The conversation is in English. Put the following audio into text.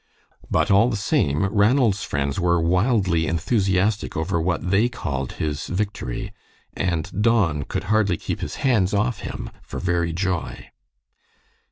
But all the same, Ranald's friends were wildly enthusiastic over what they called his victory, and Don could hardly keep his hands off him, for very joy.